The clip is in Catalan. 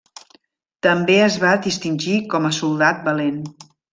També es va distingir com a soldat valent.